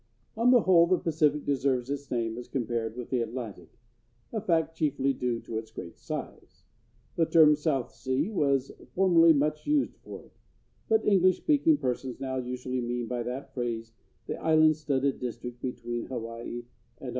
On the whole the Pacific deserves its name as compared with the Atlantic—a fact chiefly due to its great size. The term "South Sea" was formerly much used for it, but English speaking persons now usually mean by that phrase the island studded district between Hawaii and Australia.